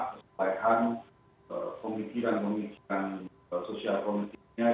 keselamatan ke pemikiran pemikiran sosial komunikasinya